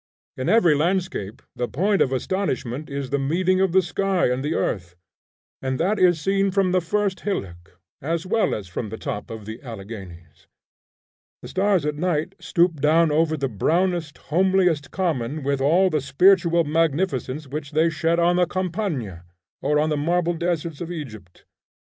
In every landscape the point of astonishment is the meeting of the sky and the earth, and that is seen from the first hillock as well as from the top of the Alleghanies. The stars at night stoop down over the brownest, homeliest common with all the spiritual magnificence which they shed on the Campagna, or on the marble deserts of Egypt.